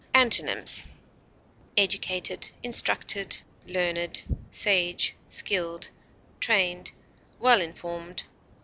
Antonyms: educated, learned, sage, skilled, trained, well informed, wise.